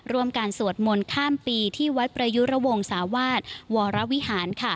ร่วมการสวดมนต์ข้ามปีที่วัดประยุระวงศาวาสวรวิหาร